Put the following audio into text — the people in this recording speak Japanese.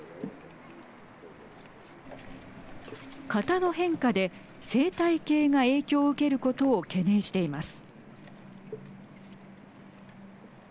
潟の変化で生態系が影響を受けることを懸念しています。